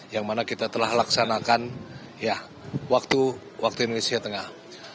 yang mana kita telah laksanakan waktu indonesia tengah